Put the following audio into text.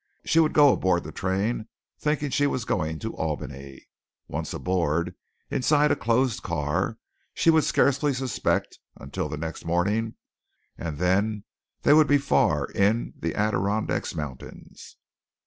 She would go aboard the train thinking she was going to Albany. Once aboard, inside a closed car, she would scarcely suspect until the next morning, and then they would be far in the Adirondack Mountains.